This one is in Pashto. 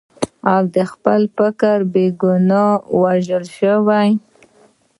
او د خپل فکر په ګناه ووژل شو.